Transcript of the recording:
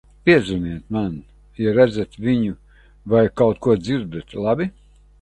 Piezvaniet man, ja redzat viņu vai kaut ko dzirdat, labi?